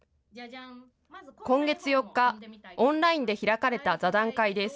今月４日、オンラインで開かれた座談会です。